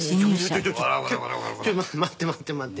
ちょい待って待って待って。